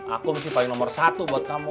akum sih paling nomor satu buat kamu